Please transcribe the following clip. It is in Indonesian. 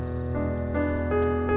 kalau kita membahas tentang hubungan kita